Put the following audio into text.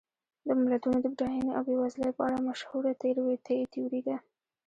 د ملتونو د بډاینې او بېوزلۍ په اړه مشهوره تیوري ده.